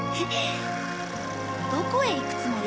どこへ行くつもり？